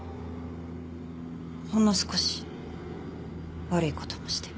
ほんの少し悪い事もして。